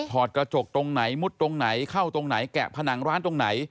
อดกระจกตรงไหนมุดตรงไหนเข้าตรงไหนแกะผนังร้านตรงไหน